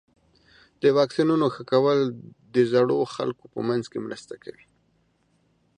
د واکسینونو ښه کول د زړو خلکو په منځ کې مرسته کوي.